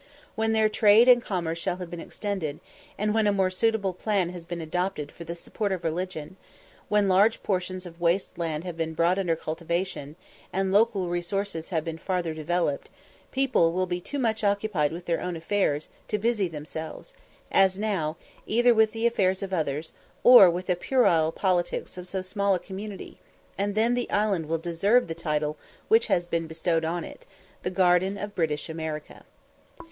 When their trade and commerce shall have been extended, and when a more suitable plan has been adopted for the support of religion; when large portions of waste land have been brought under cultivation, and local resources have been farther developed, people will be too much occupied with their own affairs to busy themselves, as now, either with the affairs of others, or with the puerile politics of so small a community; and then the island will deserve the title which has been bestowed on it, "_The Garden of British America.